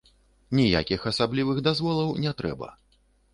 Ніякіх асаблівых дазволаў не трэба.